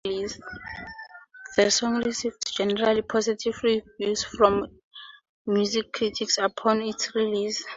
The song received generally positive reviews from music critics upon its release.